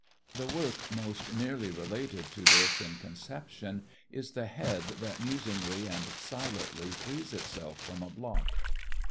The work most nearly related to this in conception is the head that musingly and silently frees itself from a block.